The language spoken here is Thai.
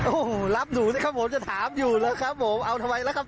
โอ้โหรับหนูสิครับผมจะถามอยู่แล้วครับผมเอาทำไมล่ะครับ